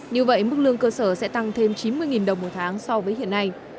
như vậy mức lương cơ sở sẽ tăng thêm chín mươi đồng một tháng so với hiện nay